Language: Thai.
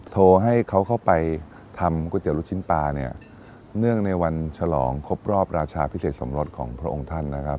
โทรให้เขาเข้าไปทำก๋วยเตี๋ยลูกชิ้นปลาเนี่ยเนื่องในวันฉลองครบรอบราชาพิเศษสมรสของพระองค์ท่านนะครับ